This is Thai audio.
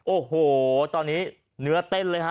โอ้โหตอนนี้เนื้อเต้นเลยฮะ